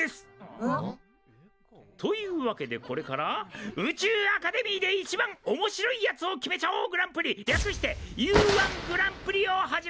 ん？というわけでこれから「宇宙アカデミーで一番おもしろいやつを決めちゃおうグランプリ」略してＵ−１グランプリを始めます！